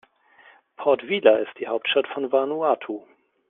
Port Vila ist die Hauptstadt von Vanuatu.